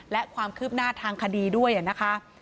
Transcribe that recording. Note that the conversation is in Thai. และความคืบหน้าทางคดีด้วยนะคะ